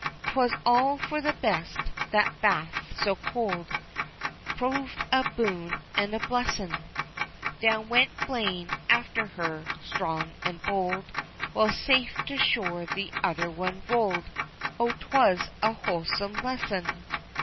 'Twas all for the best, that bath so cold, Proved a boon an' a blessin', Down went Blaine after her, strong an' bold, While safe to shore the other one rolled. O 'twas a wholesome lesson!